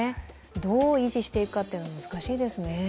どう維持していくかっていうのは難しいですね。